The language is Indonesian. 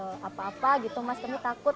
masukin covid apa apa gitu mas kami takut